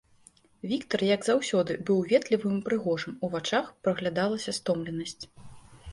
Віктар, як заўсёды, быў ветлівым і прыгожым, у вачах праглядалася стомленасць.